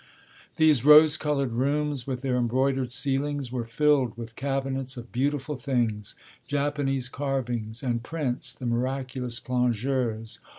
_ These rose coloured rooms, with their embroidered ceilings, were filled with cabinets of beautiful things, Japanese carvings, and prints (the miraculous 'Plongeuses'!)